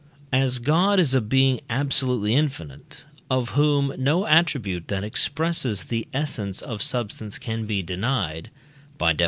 As God is a being absolutely infinite, of whom no attribute that expresses the essence of substance can be denied (by Def.